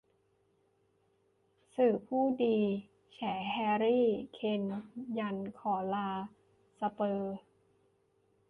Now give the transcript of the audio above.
สื่อผู้ดี แฉ แฮร์รี่ เคน ยันขอลา สเปอร์ส